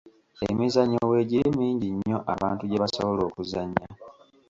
Emizannyo weegiri mingi nnyo abantu gye basobola okuzannya.